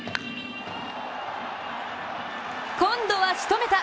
今度はしとめた！